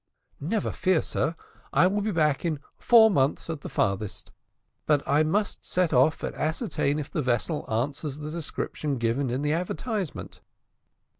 "Never fear, sir, I will be back in four months, at the furthest; but I must now set off and ascertain if the vessel answers the description given in the advertisement."